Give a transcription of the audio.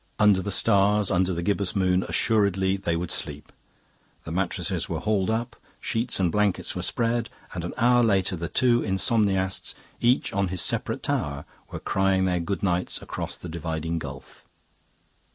Under the stars, under the gibbous moon, assuredly they would sleep. The mattresses were hauled up, sheets and blankets were spread, and an hour later the two insomniasts, each on his separate tower, were crying their good nights across the dividing gulf.